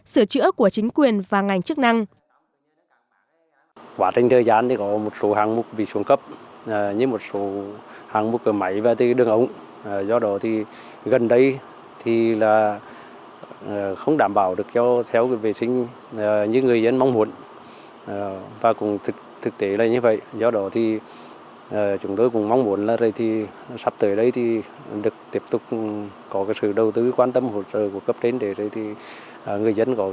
sửa chữa của chính quyền và ngành chức năng